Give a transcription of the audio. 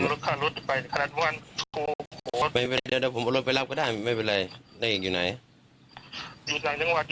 ถ้าจะทำสัญญาหรือรับโครงความหาละก็นี่ไปอยู่แล้ว